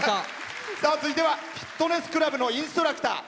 続いてはフィットネスクラブのインストラクター。